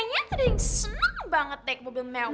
kayaknya tadi yang seneng banget deh ke mobil mewah